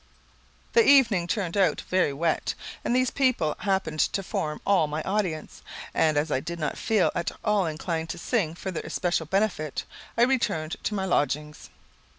The evening turned out very wet, and these people happened to form all my audience; and as I did not feel at all inclined to sing for their especial benefit, I returned to my lodgings.